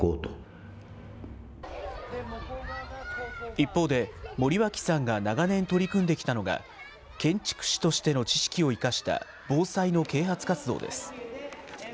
一方で、森脇さんが長年取り組んできたのが、建築士としての知識を生かした防災の啓発活動です。